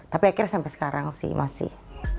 tapi akhirnya sampai sekarang sih masih